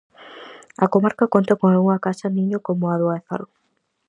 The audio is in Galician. A comarca conta con algunha casa niño como a do Ézaro.